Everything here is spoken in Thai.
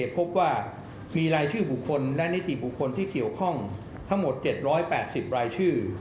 พบว่ามีรายชื่อบุคคลและนิติบุคคลที่เกี่ยวข้องทั้งหมด๗๘๐รายชื่อ